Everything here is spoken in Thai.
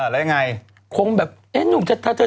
แล้วยังไง